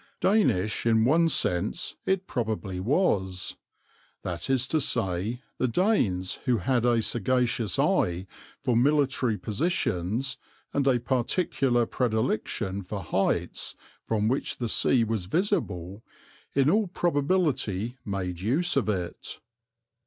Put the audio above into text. Danish in one sense it probably was. That is to say the Danes, who had a sagacious eye for military positions and a particular predilection for heights from which the sea was visible, in all probability made use of it.